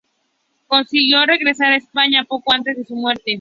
Consiguió regresar a España poco antes de su muerte.